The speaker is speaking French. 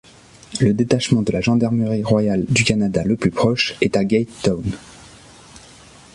Le détachement de la Gendarmerie royale du Canada le plus proche est à Gagetown.